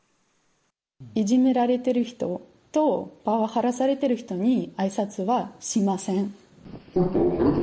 いじめられている人とパワハラされてる人に、あいさつはしません。